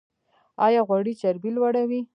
ایا غوړي چربي لوړوي؟